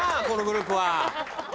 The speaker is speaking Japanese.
このグループは。